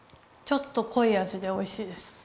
ちょっとこい味でおいしいです。